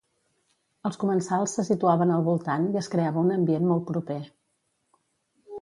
Els comensals se situaven al voltant i es creava un ambient molt proper.